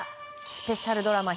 スペシャルドラマ